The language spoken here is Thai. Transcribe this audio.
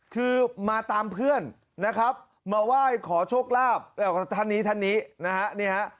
คือมาตามเพื่อนนะครับมาไหว้ขอโชคลาภท่านนี้ท่านนี้นะฮะนี่ฮะ